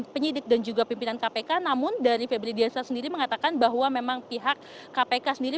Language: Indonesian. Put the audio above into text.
penyidik dan juga pimpinan kpk namun dari febri diansyah sendiri mengatakan bahwa memang pihak kpk sendiri